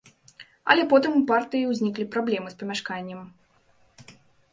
Але потым у партыі ўзніклі праблемы з памяшканнем.